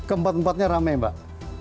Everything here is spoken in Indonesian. keempat empatnya rame mbak